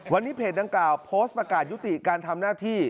วันนี้เพจดังกล่าวโพสต์ประกาศยุติการทำหน้าที่